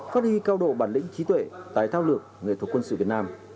phát huy cao độ bản lĩnh trí tuệ tài thao lược nghệ thuật quân sự việt nam